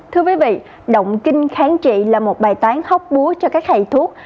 thưa quý vị động kinh kháng trị là một bài toán hóc búa cho các thầy thuốc